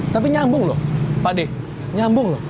tapi nyambung lho pak deh nyambung lho